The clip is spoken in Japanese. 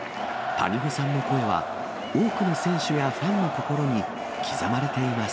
谷保さんの声は、多くの選手やファンの心に刻まれています。